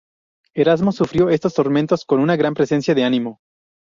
Erasmo sufrió estos tormentos con una gran presencia de ánimo.